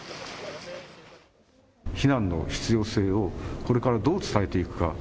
避難の必要性をこれからどう伝えていくか